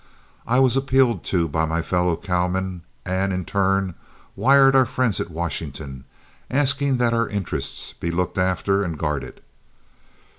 I was appealed to by my fellow cowmen, and, in turn, wired our friends at Washington, asking that our interests be looked after and guarded.